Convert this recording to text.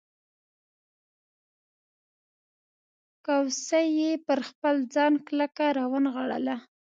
کوسۍ یې پر خپل ځان کلکه راونغاړله.